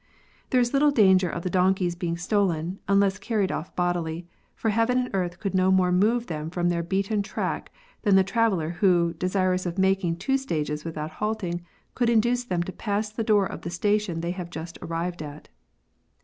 There is little danger of the donkeys being stolen, unless carried off bodily, for heaven and earth could no more move them from their beaten track than the traveller who, desirous of making two stages without halting, could induce them to pass the door of the station they have just arrived at.